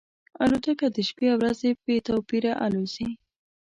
الوتکه د شپې او ورځې بې توپیره الوزي.